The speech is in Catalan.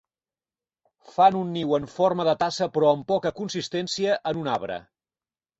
Fan un niu en forma de tassa però amb poca consistència en un arbre.